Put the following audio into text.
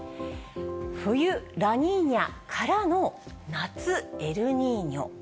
冬、ラニーニャからの夏、エルニーニョ。